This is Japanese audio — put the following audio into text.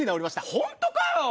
本当かよ？